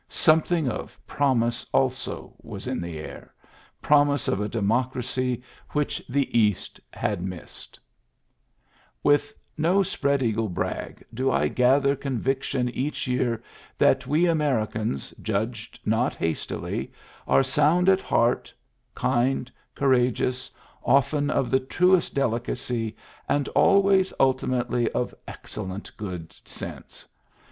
Something of promise, also, was in the air, promise of a democracy which the East had missed :— "With no spread eagle brag do I gather con viction each year that we Americans, judged not hastily, are sound at heart, kind, courageous, often of the truest delicacy, and always ultimately of excellent good sense.